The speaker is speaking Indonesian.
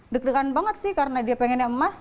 deg degan banget sih karena dia pengennya emas